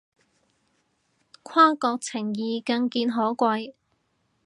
跨國情誼更見可貴